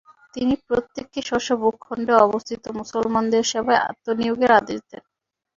তিনি প্রত্যেককে স্ব-স্ব ভূখণ্ডে অবস্থিত মুসলমানদের সেবায় আত্মনিয়ােগের আদেশ দেন।